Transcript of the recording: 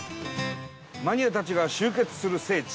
マニアたちが集結する聖地。